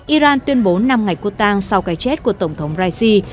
iran tuyên bố năm ngày quốc tang sau cái chết của tổng thống raisi